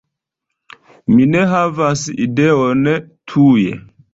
Mi ne havas ideon tuj.